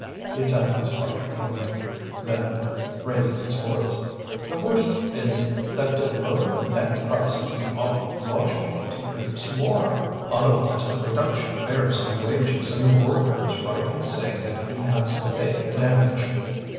He attacked his partridge wing. Then, raising his voice: "The worst is that to lower the net prices we ought logically to produce more; otherwise the reduction bears on wages, and the worker is right in saying that he has to pay the damage."